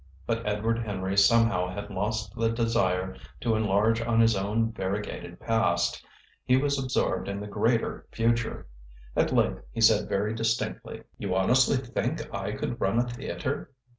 But Edward Henry somehow had lost the desire to enlarge on his own variegated past. He was absorbed in the greater future. At length he said very distinctly: "You honestly think I could run a theatre?"